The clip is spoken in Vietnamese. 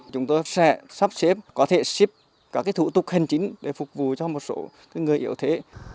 chúng tôi sẽ sắp xếp có thể xếp các thủ tục hành chính để phục vụ cho một số người yếu thế